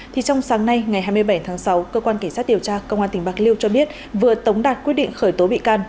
thì trong sáng nay ngày hai mươi bảy tháng sáu cơ quan cảnh sát điều tra công an tỉnh bạc liêu cho biết vừa tống đạt quyết định khởi tố bị can